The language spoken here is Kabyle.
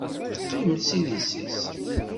Teqqim s idis-is.